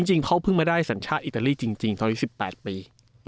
จริงเขาเพิ่งจะได้ศัลยาอิตาลีในตอนที่๑๘ปี